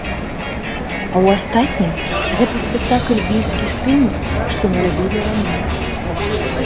А ў астатнім гэты спектакль блізкі з тымі, што мы рабілі раней.